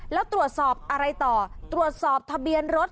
แล้วตรวจสอบอะไรต่อตรวจสอบทะเบียนรถ